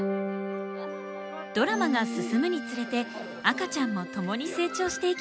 ドラマが進むにつれて赤ちゃんも共に成長していきます。